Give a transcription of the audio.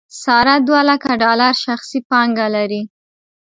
ساره دولکه ډالر شخصي پانګه لري.